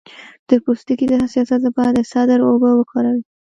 د پوستکي د حساسیت لپاره د سدر اوبه وکاروئ